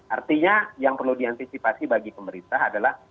artinya yang perlu diantisipasi bagi pemerintah adalah